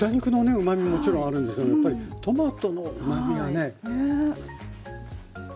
うまみももちろんあるんですけどもやっぱりトマトのうまみがね。